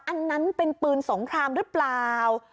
อันนั้นเป็นปืนสงครามหรือเปล่า